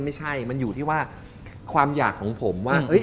ไม่ใช่มันอยู่ที่ว่าความอยากของผมว่า